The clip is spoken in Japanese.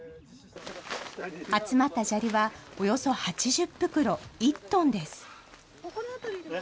集まった砂利はおよそ８０袋、１トンです。